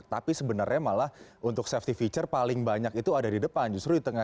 tapi sebenarnya malah untuk safety feature paling banyak itu ada di depan justru di tengah